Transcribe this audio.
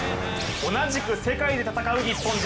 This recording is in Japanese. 同じく世界で戦う日本人